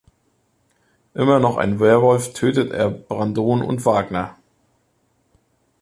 Immer noch ein Werwolf tötet er Brandon und Wagner.